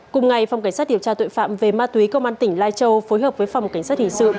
cùng ngày phòng cảnh sát điều tra tội phạm về ma túy công an tỉnh lai châu phối hợp với phòng cảnh sát hình sự